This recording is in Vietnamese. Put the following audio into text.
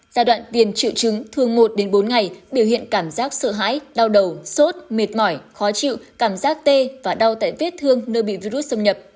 giai đoạn tiền triệu chứng thường một đến bốn ngày biểu hiện cảm giác sợ hãi đau đầu sốt mệt mỏi khó chịu cảm giác tê và đau tại vết thương nơi bị virus xâm nhập